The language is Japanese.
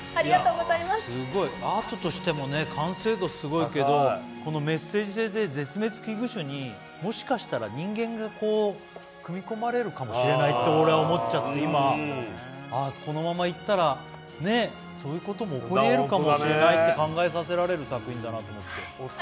アートとしても完成度すごいけど、このメッセージ性で絶滅危惧種にもしかしたら人間が組み込まれるかもしれないと俺は思っちゃって、今、ああこのままいったら、そういうことも起こりえるかもしれないって考えさせられる作品だなと思って。